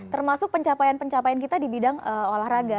termasuk pencapaian pencapaian kita di bidang olahraga